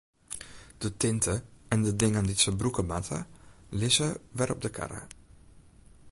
De tinte en de dingen dy't se brûke moatte, lizze wer op de karre.